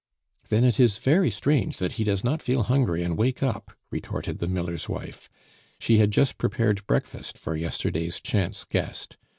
"Then it is very strange that he does not feel hungry and wake up," retorted the miller's wife; she had just prepared breakfast for yesterday's chance guest.